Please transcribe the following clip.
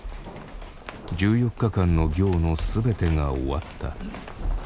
１４日間の行の全てが終わった。